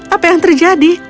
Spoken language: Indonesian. apa yang terjadi